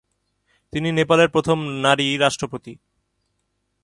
তিনি নেপালের প্রথম নারী রাষ্ট্রপতি।